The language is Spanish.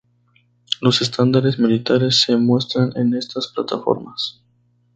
Los estándares militares se muestran en estas plataformas.